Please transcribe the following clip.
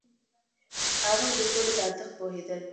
هغوی د سولې په ارزښت پوهیدل.